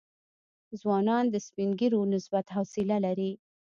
ځوانان د سپین ږیرو نسبت حوصله لري.